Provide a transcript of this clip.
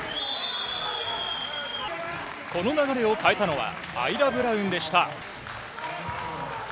この流れを変えたのは、アイラ・ブラウンでした。